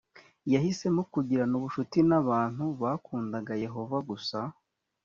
yahisemo kugirana ubucuti n’abantu bakundaga yehova gusa